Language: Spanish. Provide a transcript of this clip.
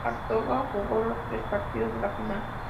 Artola jugó los tres partidos de la final.